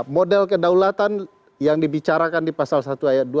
model kedaulatan yang dibicarakan di pasal satu ayat dua